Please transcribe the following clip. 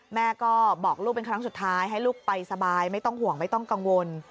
แม่ก็บอกลูกเป็นครั้งสุดท้ายให้ลูกไปสบายไม่ต้องห่วงไม่ต้องกังวล